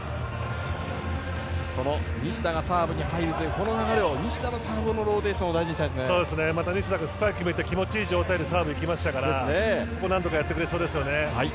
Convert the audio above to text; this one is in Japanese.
この西田がサーブに入るというこの流れを西田のサーブでのローテーション西田君、スパイクを決めて気持ちいい状態でサーブいきましたからここ何とかやってくれそうですね。